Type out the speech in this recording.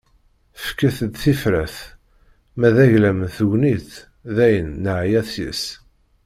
Fket-d tifrat... ma d aglam n tegnit, dayen neɛya seg-s.